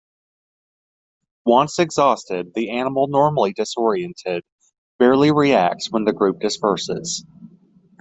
Once exhausted, the animal, normally disoriented, barely reacts when the group disperses.